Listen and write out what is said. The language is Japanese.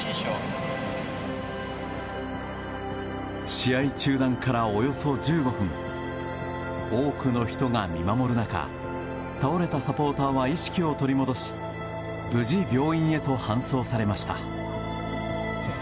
試合中断からおよそ１５分多くの人が見守る中倒れたサポーターは意識を取り戻し無事、病院へと搬送されました。